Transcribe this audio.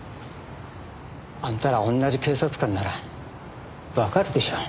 あんたら同じ警察官ならわかるでしょう。